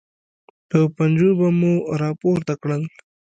په پنجو به مو راپورته کړل.